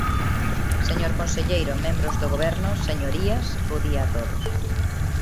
Señor conselleiro, membros do Goberno, señorías, bo día a todos.